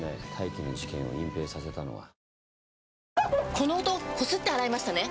この音こすって洗いましたね？